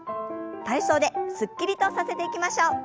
体操ですっきりとさせていきましょう。